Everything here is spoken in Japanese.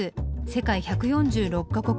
世界１４６カ国